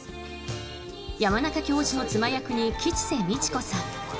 山中教授の妻役に吉瀬美智子さん。